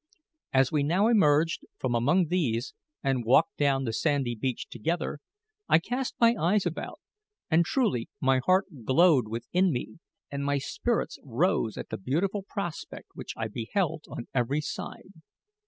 As we now emerged from among these and walked down the sandy beach together, I cast my eyes about, and truly my heart glowed within me and my spirits rose at the beautiful prospect which I beheld on every side.